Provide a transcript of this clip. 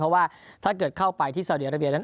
เพราะว่าถ้าเกิดเข้าไปที่สาวดีอาราเบียนั้น